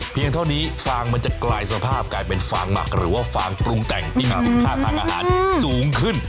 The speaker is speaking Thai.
เท่านี้ฟางมันจะกลายสภาพกลายเป็นฟางหมักหรือว่าฟางปรุงแต่งที่มีคุณค่าทางอาหารสูงขึ้น